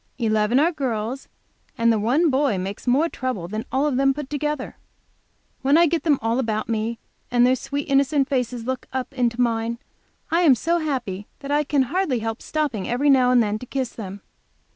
Eleven are girls, and the one boy makes me more trouble than all of them put together. When I get them all about me, and their sweet innocent faces look up into mine, I am so happy that I can hardly help stopping every now and then to kiss them.